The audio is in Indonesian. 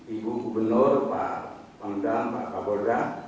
ibu gubernur pak mendang pak kabodra